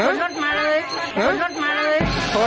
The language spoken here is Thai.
ลาขึ้นรถมาเลยลาขึ้นรถมาเลย